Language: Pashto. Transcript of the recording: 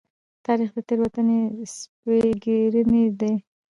تاریخ د تېرو سپږېرنی دی.